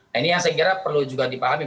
nah ini yang saya kira perlu juga dipahami